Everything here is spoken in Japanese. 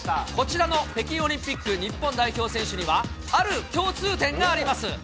こちらの北京オリンピック日本代表選手にはある共通点があります。